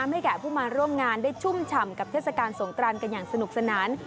ให้แก่ผู้มาร่วมงานได้ชุ่มฉ่ำกับเทศกาลสงกรานกันอย่างสนุกสนาน